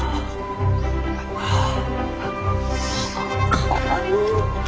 かわいい。